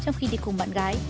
trong khi đi cùng bạn gái